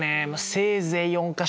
せいぜい４か所。